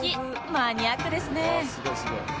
マニアックですね